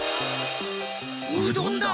うどんだ！